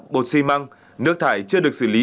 bột xi măng nước thải chưa được xử lý